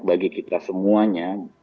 bagi kita semuanya